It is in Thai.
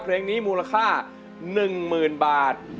เพลงนี้มูลค่า๑๐๐๐บาท